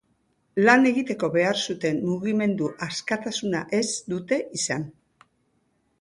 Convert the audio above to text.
Lan egiteko behar zuten mugimendu askatasuna ez dute izan.